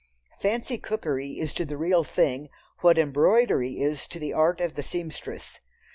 "Fancy" cookery is to the real thing what embroidery is to the art of the seamstress.